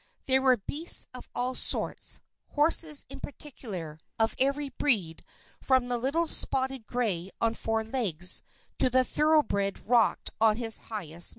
There were beasts of all sorts; horses, in particular, of every breed, from the little spotted gray on four legs, to the thoroughbred rocked on his highest mettle.